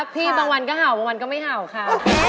บางวันก็เห่าบางวันก็ไม่เห่าค่ะ